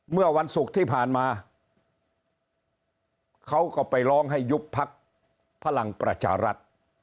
เมื่อวันศุกร์ที่ผ่านมาเขาก็ไปร้องให้ยุบพักพลังประชารัฐ